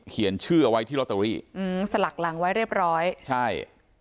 เขียนชื่อเอาไว้ที่ลอตเตอรี่อืมสลักหลังไว้เรียบร้อยใช่